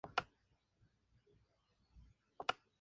En Filipinas, "almuerzo" es la palabra para el desayuno.